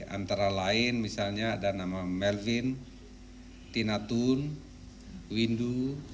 antara lain misalnya ada nama melvin tinatun windu